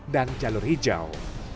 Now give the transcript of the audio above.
dan jalur hijau